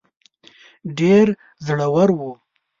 ډېر زړه ور وو.